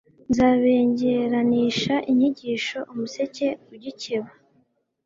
nzabengeranisha inyigisho umuseke ugikeba